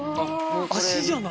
足じゃない。